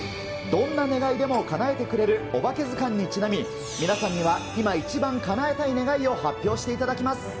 どんな願いでもかなえてくれるおばけずかんにちなみ、皆さんには今一番かなえたい願いを発表していただきます。